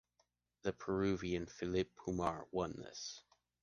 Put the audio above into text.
The Peruvian Felipe Pomar won this.